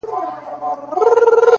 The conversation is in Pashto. • کښتۍ هم ورڅخه ولاړه پر خپل لوري,